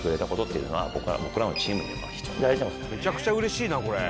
「めちゃくちゃ嬉しいなこれ」